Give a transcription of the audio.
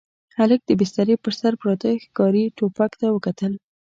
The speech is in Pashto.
هلک د بسترې پر سر پراته ښکاري ټوپک ته وکتل.